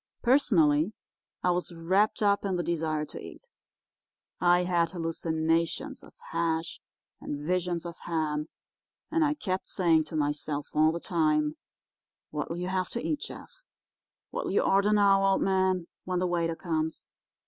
Personally, I was wrapped up in the desire to eat. I had hallucinations of hash and visions of ham, and I kept saying to myself all the time, 'What'll you have to eat, Jeff?—what'll you order now, old man, when the waiter comes?